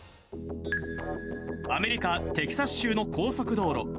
アメリカ・テキサス州の高速道路。